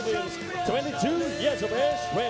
มีความรู้สึกว่า